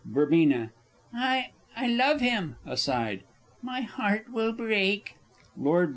Verb. I I love him. (Aside.) My heart will break! _Lord B.